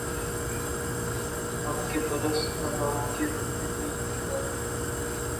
اب کے برس بہار کی‘ رُت بھی تھی اِنتظار کی